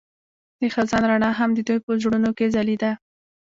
د خزان رڼا هم د دوی په زړونو کې ځلېده.